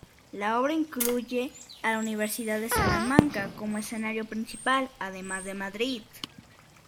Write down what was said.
La obra incluye a la Universidad de Salamanca como escenario principal, además de Madrid.